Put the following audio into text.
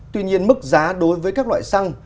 tuy nhiên mức giá đối với các loại xăng